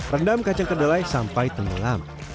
rendam kacang kedelai sampai tenggelam